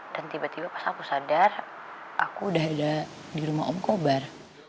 dan tiba tiba pas aku sadar aku udah ada di rumah om kobar